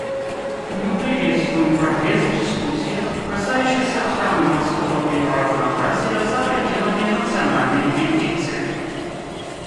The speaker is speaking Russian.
Мы приветствуем прогресс в дискуссиях, касающихся охраны морского биоразнообразия за пределами национальной юрисдикции.